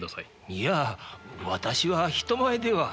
いや私は人前では。